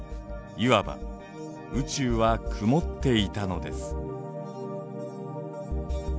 いわば宇宙は「曇って」いたのです。